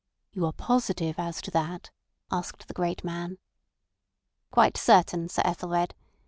"You are positive as to that?" asked the great man. "Quite certain, Sir Ethelred.